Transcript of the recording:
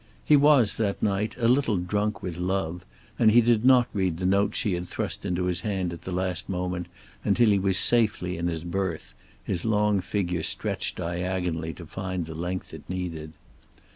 He was, that night, a little drunk with love, and he did not read the note she had thrust into his hand at the last moment until he was safely in his berth, his long figure stretched diagonally to find the length it needed.